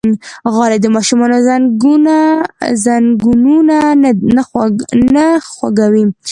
غالۍ د ماشومانو زنګونونه نه خوږوي.